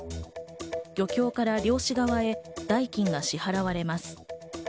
漁協から漁師側へ代金が支払われます。